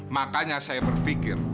makanya saya berpikir